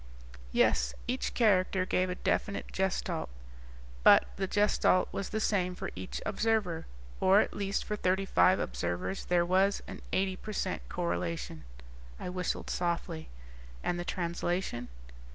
"Yes, each character gave a definite Gestalt. But, the Gestalt was the same for each observer. Or at least for thirty five observers there was an eighty per cent correlation." I whistled softly. "And the translation?"